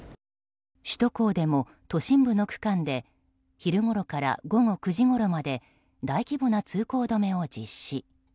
首都高でも都心部の区間で昼ごろから午後９時ごろまで大規模な通行止めを実施。